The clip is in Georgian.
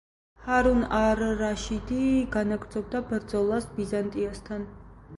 ჰარუნ არ-რაშიდი განაგრძობდა ბრძოლას ბიზანტიასთან.